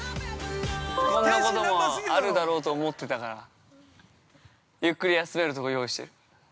こんなこともあるだろうと思ってたから、ゆっくり休めるとこ用意している。